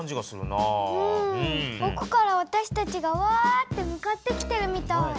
奥からわたしたちがワーッて向かってきてるみたい。